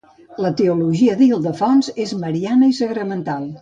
La teologia d'Ildefons és mariana i sagramental.